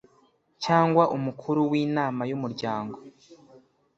cyangwa umukuru w inama y umuryango